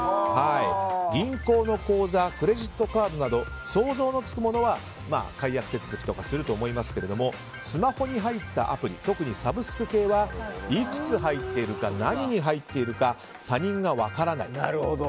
銀行の口座クレジットカードなど想像のつくものは解約手続きとかすると思いますけどスマホに入ったアプリ特にサブスク系はいくつ入っているか何に入っているか他人が分からない。